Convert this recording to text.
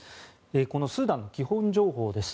このスーダンの基本情報です。